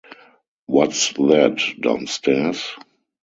What's that downstairs?